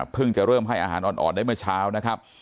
จะเริ่มให้อาหารอ่อนได้เมื่อเช้านะครับ